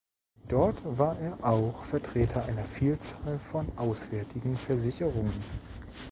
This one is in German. Dort war er auch Vertreter einer Vielzahl von auswärtigen Versicherungen.